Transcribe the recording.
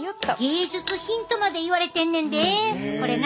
芸術品とまでいわれてんねんでこれな。